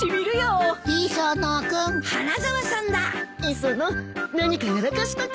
磯野何かやらかしたか？